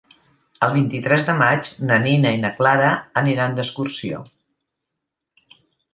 El vint-i-tres de maig na Nina i na Clara aniran d'excursió.